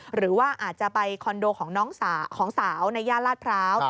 หรือว่าอาจจะไปคอนโดของสาวในย่านลาดพร้าว